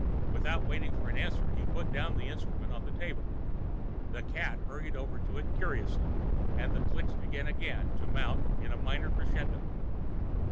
Without waiting for an answer, he put down the instrument on the table. The cat hurried over to it curiously and the clicks began again to mount in a minor crescendo.